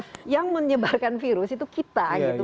karena yang menyebarkan virus itu kita gitu